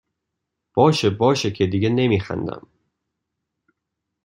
باشه باشه که دیگه نمیخندم